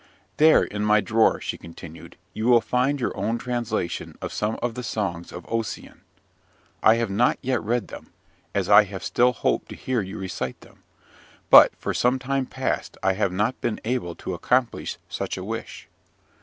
"There in my drawer," she continued, "you will find your own translation of some of the songs of Ossian. I have not yet read them, as I have still hoped to hear you recite them; but, for some time past, I have not been able to accomplish such a wish."